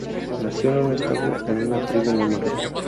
Nació en un establo en una tribu nómada.